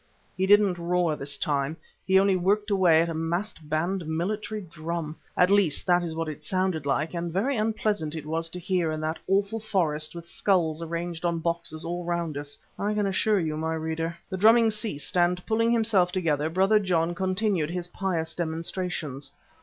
He didn't roar this time, he only worked away at a massed band military drum. At least that is what it sounded like, and very unpleasant it was to hear in that awful forest with skulls arranged on boxes all round us, I can assure you, my reader. The drumming ceased, and pulling himself together, Brother John continued his pious demonstrations.